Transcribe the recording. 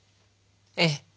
ええ。